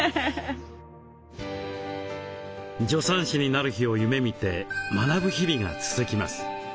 助産師になる日を夢みて学ぶ日々が続きます。